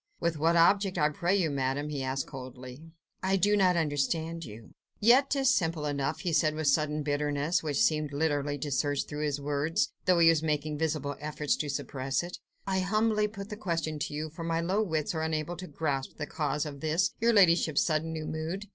"With what object, I pray you, Madame?" he asked coldly. "I do not understand you." "Yet 'tis simple enough," he said with sudden bitterness, which seemed literally to surge through his words, though he was making visible efforts to suppress it, "I humbly put the question to you, for my slow wits are unable to grasp the cause of this, your ladyship's sudden new mood.